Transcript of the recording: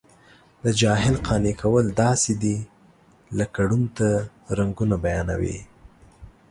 د جاهل قانع کول داسې دي لکه ړوند ته رنګونه بیانوي.